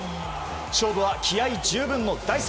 勝負は気合十分の第３